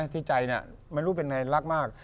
ที่ใจไม่รู้เป็นไงรักมาก